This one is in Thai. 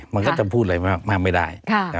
มันก็จะพูดอะไรมากไม่ได้